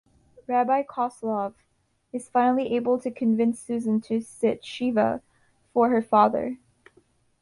Rabbi Koslov is finally able to convince Susan to sit "shiva" for her father.